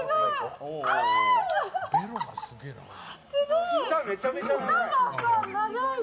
すごい！